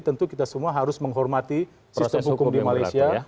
tentu kita semua harus menghormati sistem hukum di malaysia